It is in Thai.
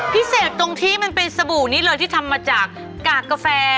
พิเศษตรงที่มันเป็นสบู่นี้เลยที่ทำมาจากกากกาแฟ